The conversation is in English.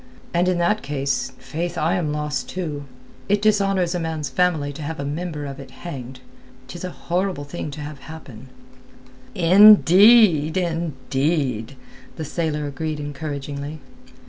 And in that case, faith, I am lost too. It dishonours a man's family to have a member of it hanged. 'Tis a horrible thing to have happen." "Indeed, indeed!" the sailor agreed encouragingly.